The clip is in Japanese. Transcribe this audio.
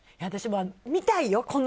私も見たいよ。